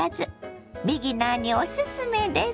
ビギナーにおすすめです。